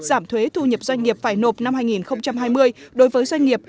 giảm thuế thu nhập doanh nghiệp phải nộp năm hai nghìn hai mươi đối với doanh nghiệp